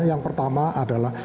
yang pertama adalah